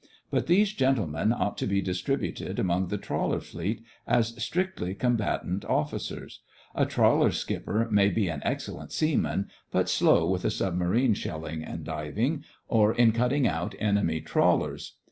But these gentlemen ought to be distributed among the Trawler Fleet as strictly combatant officers. A trawler skipper may be an excel lent seaman, but slow with a sub marine shelling and diving, or in cutting out enemy trawlers.